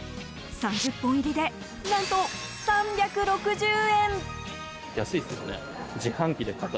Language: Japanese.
３０本入りで何と、３６０円。